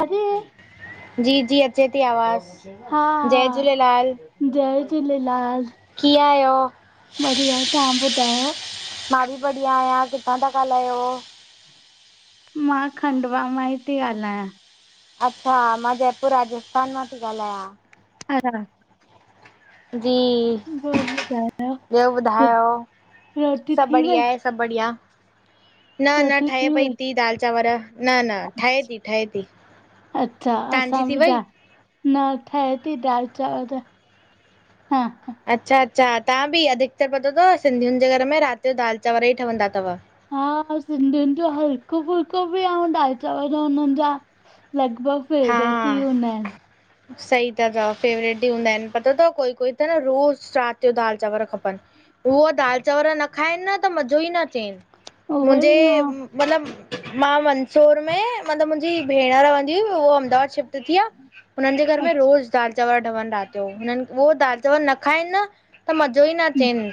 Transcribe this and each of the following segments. अरे जी, जी अचे थी आवाज़ हा जय झूलेलाल। जय झूलेलाल कीअ आहियो? बढ़िया, तव्हां ॿुधायो? मां बि बढ़िया आहियां, किथां ता ॻालायो? मां खंडवा मां ई थी ॻाल्हायां। अच्छा, मां जयपुर राजस्थान मां थी ॻाल्हायां। [inaudible] जी, ॿियो ॿुधायो ॿियो ॿुधायो। रोटी सभु थी वई बढ़िया आहे। सभु बढ़िया। न, न रोटी ठहे पई वई? थी दाल चांवर। न, न ठहे थी ठहे थी। अच्छा असां तव्हांजी थी बि दा वई? न ठहे थी दाल चांवर त। हा, ह अच्छा, अच्छा तव्हां बि अधिकतर पतो तव सिंधियुनि जे घर में राति जो दालि चांवर ई ठहंदा तव। हा सिंधियुनि जो हलिको फुलको बि आ दाल चांवर हुननि जा। लगभग फेवरेट हा ई हुंदा आहिन। सही ता चव फेवरेट ई हूंदा आहिनि पतो तव कोई कोई त न रोज़ु राति जो दालि चांवर खपनि। उअ दालि चांवर न खाइनि न त मज़ो ई न अचेन। उहो मुंहिंजे ई हा मतिलबु मां मंसूर में मतिलबु मुंहिंजी भेण रहंदी हुई उहो अहमदाबाद शिफ्ट थिया। हुननि जे घर में अच्छा रोज़ दाल चांवर ठवनि राति जो हुननि उह दाल चांवर न खाइनि न त मज़ो ई न अचेन।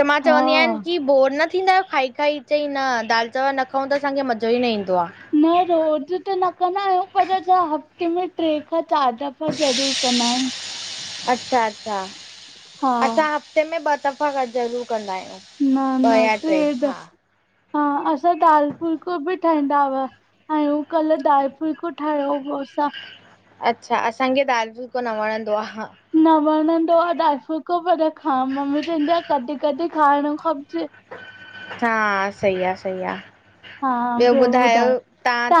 त मां चवंदी आहियां हा की बोर न थींदा आहियो खाई खाई चईं न दालि चांवर न खाऊं त असांखे मज़ो ई न ईंदो आ। न रोज़ त न कंदा आहियूं पर छा हफ़्ते में ट्रे खां चारि दफ़ा ज़रूर कंदा आहु। अच्छा, अच्छा हा असां हफ़्ते में ॿ दफ़ा ज़रूर कंदा आहियूं। न ॿ न या ट्रै टे त हा हा असां दाल फुलको बि ठाहींदा हुआ। आयूं कल्ह दाल फुलको ठाहियो हो असां। अच्छा, असांखे दालि फुल्को न वणंदो आ। हा न वणंदो आ दाल फुलको पर खा मम्मी चवंदी आह कॾहिं कॾहिं खाइणु खपजे। हा, सई आ, सई आ। हा ॿियो ॿुधाए,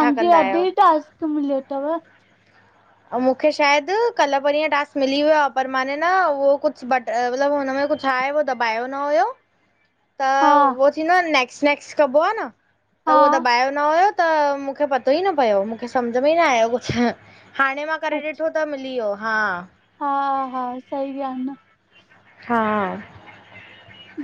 छा कंदा अ्ज आहियो ई टास्क मिलियो तव? ऐं मूंखे शायदि कल्ह परींहं टास्क मिली वियो आ, पर माना न उहो कुछु बट मतलबु हुनमें कुछु आहे उहो दॿायो न हुयो। [inaudible] त उहो थींदो आहे न नेक्स्ट नेक्स्ट कबो आ न, त हा उहो दॿायो न हुयो न। त मूंखे पतो ई न पियो, मूंखे सम्झ में ई न आयो कुझु, हाणे मां करे अच्छा ॾिठो त मिली वयो। हा हा, हा सही आ न। हा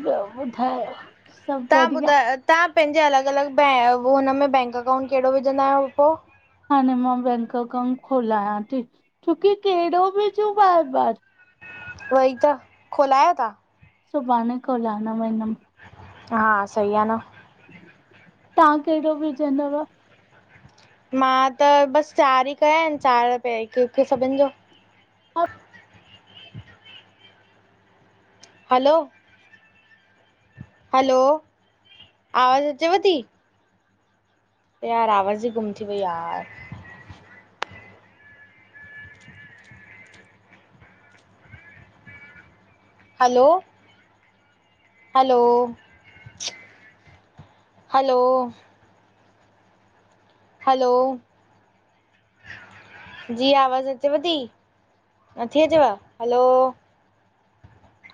ॿियो ॿुधायो? सभु तव्हां बढ़िया? ॿुधा तव्हां पंहिंजे अलॻि अलॻि बै हुनमे बैंक अकाउंट कहिड़ो विझंदा आहियो पो? हाणे मां बैंक अकाउंट खोलायां थी छोकी कहिड़ो विजु बार बार उवई त, खोलायो ता? सुभाणे खोलाण वेंदम। हा, सई आ न। तां कहिड़ो विझंदव? मां त बसि चारि ई कया आहिनि, चारि ते हिक-हिक सभिनि जो। हलो। हलो, आवाज अचेव ती? यार आवाज़ ई गुम थी वई यार। हलो। Hello, hello hello. जी आवाज़ अचेव ती? नथी अचेव? हलो।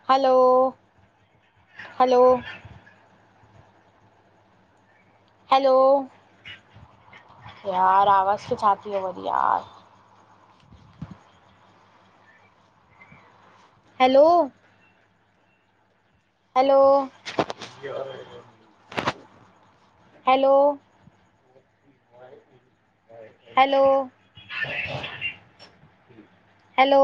Hello, hello. हैलो, यार आवाज़ खे छा थी वयो वरी यार? Hello. Hello. Hello, hello. Hello.